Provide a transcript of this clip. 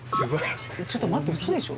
ちょっと待ってうそでしょ？